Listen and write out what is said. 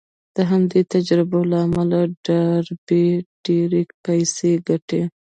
د همدې تجربو له امله ډاربي ډېرې پيسې ګټي.